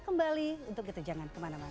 kembali untuk itu jangan kemana mana